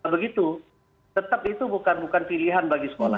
begitu tetap itu bukan pilihan bagi sekolah